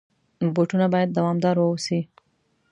بوټونه باید دوامدار واوسي.